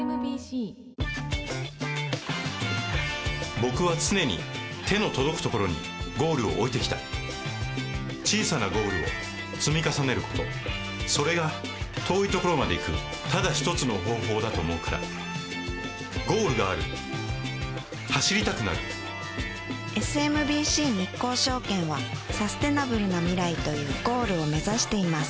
僕は常に手の届くところにゴールを置いてきた小さなゴールを積み重ねることそれが遠いところまで行くただ一つの方法だと思うからゴールがある走りたくなるＳＭＢＣ日興証券はサステナブルな未来というゴールを目指しています